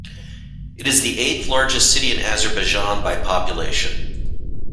It is the eighth largest city in Azerbaijan by population.